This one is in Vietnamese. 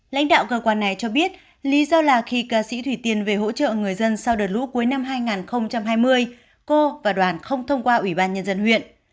lãnh đạo cơ quan này cho biết lý do là khi ca sĩ thủy tiên về hỗ trợ người dân sau đợt lũ cuối năm hai nghìn hai mươi cô và đoàn không thông qua ubnd huyện